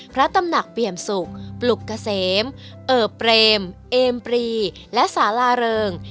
พระตำหนักเปี่ยมสุขปลุกเกษมเอ่อเปรมเอมปรีและสาราเริง